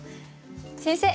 先生